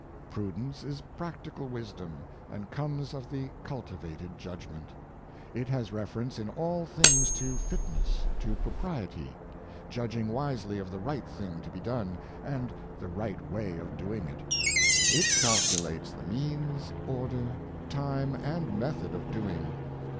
Prudence is practical wisdom, and comes of the cultivated judgment. It has reference in all things to fitness, to propriety; judging wisely of the right thing to be done, and the right way of doing it. It calculates the means, order, time, and method of do ing.